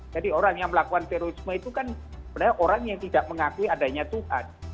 jadi orang yang melakukan terorisme itu kan sebenarnya orang yang tidak mengakui adanya tuhan